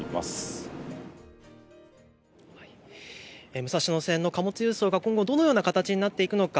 武蔵野線の貨物輸送が今後、どのような形になっていくのか